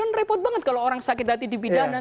kan repot banget kalau orang sakit hati dipidanakan